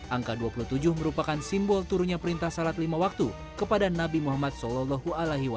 angka dua puluh tujuh merupakan simbol turunnya perintah salat lima waktu kepada nabi muhammad saw